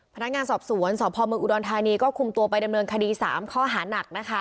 พนักงานสอบสวนสพเมืองอุดรธานีก็คุมตัวไปดำเนินคดี๓ข้อหานักนะคะ